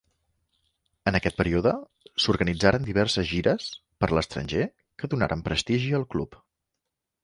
En aquest període s'organitzaren diverses gires per l'estranger que donaren prestigi al club.